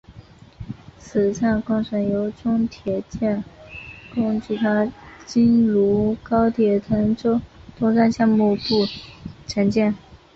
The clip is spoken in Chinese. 此站工程由中铁建工集团京沪高铁滕州东站项目部承建。